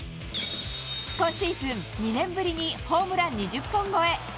今シーズン、２年ぶりにホームラン２０本超え。